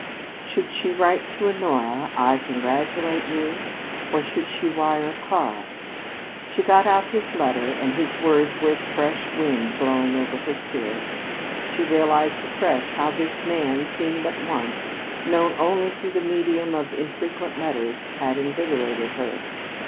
Should she write to Honora: "I congratulate you?" Or should she wire Karl? She got out his letters, and his words were as a fresh wind blowing over her spirit. She realized afresh how this man, seen but once, known only through the medium of infrequent letters, had invigorated her.